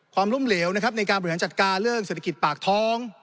ความร่มเหลวในการบริหารจัดการเรื่องศิลธิกฤทธิ์ปากท้อง